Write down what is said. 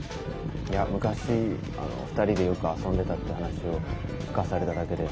いや昔２人でよく遊んでたっていう話を聞かされただけで。